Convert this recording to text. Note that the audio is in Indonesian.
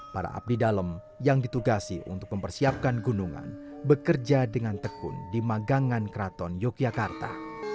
para abdi dalam yang ditugasi untuk mempersiapkan gunungan bekerja dengan tekun di magangan keraton yogyakarta